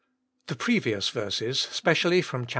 The previous verses, specially from chap.